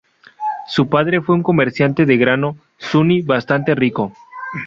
Su padre fue un comerciante de grano suní bastante rico.